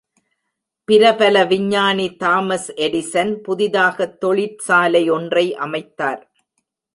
பிரபல விஞ்ஞானி Thomas Edison புதிதாகத் தொழிற்சாலை ஒன்றை அமைத்தார்.